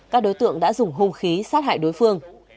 các đối tượng đã dùng hung khí sát hại đối phương